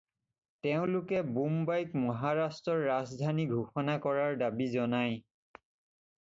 তেওঁলোকে বোম্বাইক মহাৰাষ্ট্ৰৰ ৰাজধানী ঘোষণা কৰাৰ দাবী জনায়।